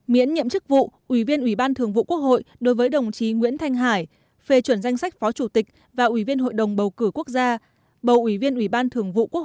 miễn nhiệm chức vụ ủy viên ủy ban thường vụ quốc hội đối với đồng chí nguyễn thanh hải phê chuẩn danh sách phó chủ tịch và ủy viên hội đồng bầu cử quốc gia bầu ủy viên ủy ban thường vụ quốc hội